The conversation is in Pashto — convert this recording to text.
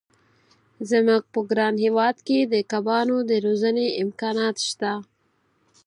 زموږ په ګران هېواد کې د کبانو د روزنې امکانات شته.